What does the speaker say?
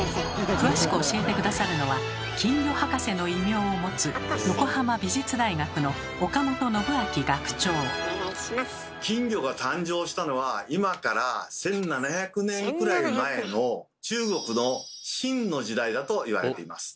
詳しく教えて下さるのは「金魚博士」の異名を持つ金魚が誕生したのは今から１，７００年くらい前の中国の晋の時代だといわれています。